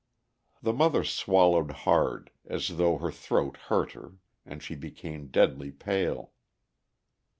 The mother swallowed hard, as though her throat hurt her, and she became deadly pale.